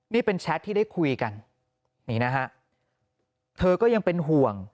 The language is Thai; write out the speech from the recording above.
นี่เป็นแชทที่ได้คุยกันนี่นะฮะเธอก็ยังเป็นห่วง